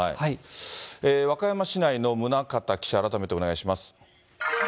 和歌山市内の宗像記者、改めてお願いします。